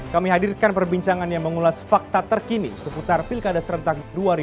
kami hadirkan perbincangan yang mengulas fakta terkini seputar pilkada serentak dua ribu delapan belas